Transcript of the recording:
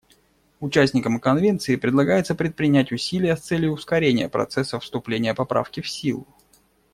Участникам Конвенции предлагается предпринять усилия с целью ускорения процесса вступления Поправки в силу.